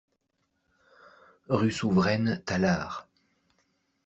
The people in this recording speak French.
Rue Souveraine, Tallard